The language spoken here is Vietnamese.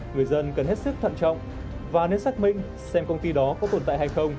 người dân cần hết sức thận trọng và nên xác minh xem công ty đó có tồn tại hay không